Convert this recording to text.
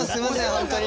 本当に。